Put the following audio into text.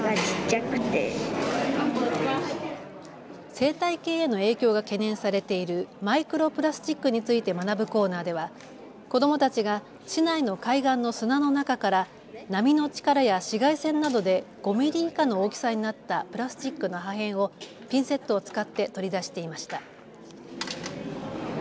生態系への影響が懸念されているマイクロプラスチックについて学ぶコーナーでは子どもたちが市内の海岸の砂の中から波の力や紫外線などで５ミリ以下の大きさになったプラスチックの破片をピンセットを使って取り出していました。